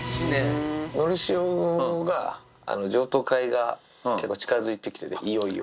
のりしおが譲渡会が結構、近づいてきてて、いよいよ。